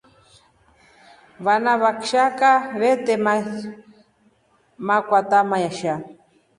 Vana wa kshaka vete makwata meshe.